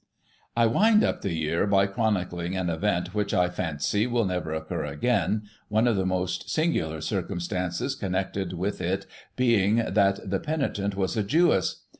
I wind up the year by chronicling an event which, I fancy, will never occur again, one of the most singular circumstances connected with it being, that the penitent was a Jewess.